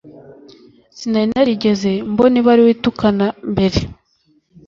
Sinari narigeze mbona ibaruwa itukana mbere.